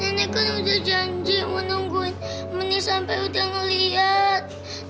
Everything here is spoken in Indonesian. nenek kan udah janji mau nungguin mene sampai udah ngeliat